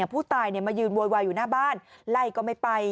ผู้ตายมายืนโวยวายอยู่หน้าบ้านไล่ก็ไม่ไป